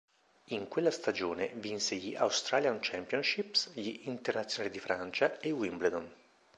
In quella stagione vinse gli Australian Championships, gli Internazionali di Francia e Wimbledon.